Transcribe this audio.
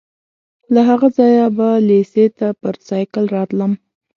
له هغه ځایه به لېسې ته پر سایکل راتلم.